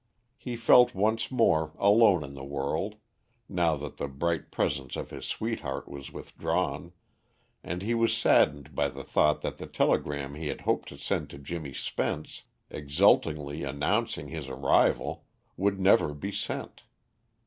He felt once more alone in the world, now that the bright presence of his sweetheart was withdrawn, and he was saddened by the thought that the telegram he had hoped to send to Jimmy Spence, exultingly announcing his arrival, would never be sent.